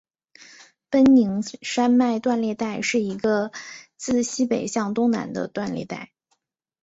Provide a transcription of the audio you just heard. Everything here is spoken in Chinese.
奔宁山脉断裂带是一个自西北向东南的断裂带。